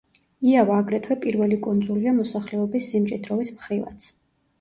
იავა აგრეთვე პირველი კუნძულია მოსახლეობის სიმჭიდროვის მხრივაც.